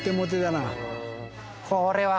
これは。